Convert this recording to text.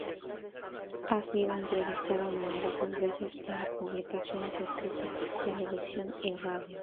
Ha sido entrevistada numerosas veces para publicaciones escritas, televisión y radio.